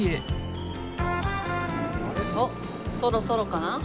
おっそろそろかな？